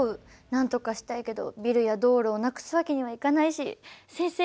なんとかしたいけどビルや道路をなくすわけにはいかないし先生